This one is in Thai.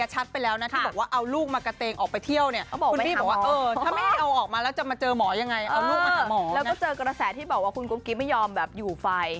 เหมือนเด็กวัดเศร้าลิ้นที่ไหนเขาไม่รู้